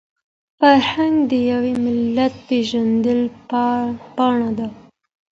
فرهنګ د يو ملت پېژندپاڼه ده.